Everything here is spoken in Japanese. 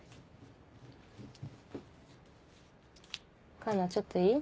奏奈ちょっといい？